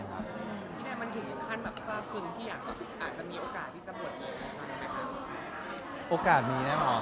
นี่แน่มันคือขั้นแบบทราบซึ้งที่อาจจะมีโอกาสที่จะบ่นอย่างไรครับ